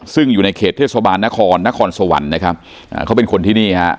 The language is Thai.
ซึ่งอยู่ในเขตเทศบาลนครนครสวรรค์นะครับอ่าเขาเป็นคนที่นี่ฮะ